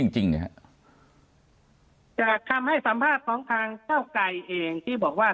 จริงนะฮะจากคำให้สัมภาษณ์ของทางเก้าไกรเองที่บอกว่า